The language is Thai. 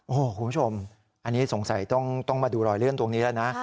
โอ้โหคุณผู้ชมอันนี้สงสัยต้องมาดูรอยเลื่อนตรงนี้แล้วนะ